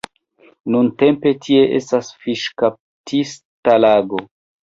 Nuntempe tie estas fiŝkaptista lago.